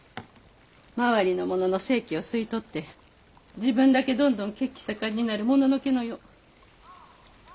周りの者の生気を吸い取って自分だけどんどん血気盛んになるもののけのよう。